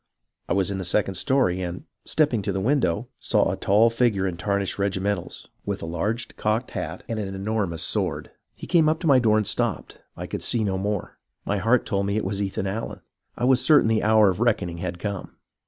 I was in the second story, and, stepping to the window, saw a tall figure in tarnished regimentals, with a large cocked hat and an enormous sword. He came up to my door and stopped. I could see no more. My heart told me it was Ethan Allen. I was certain the hour of reckon ing had come.